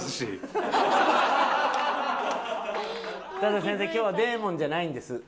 ただ先生今日はデーモンじゃないんです。